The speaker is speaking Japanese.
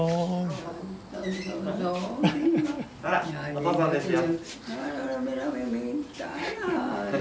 お父さんですよ。